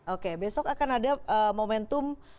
oke besok akan ada momentum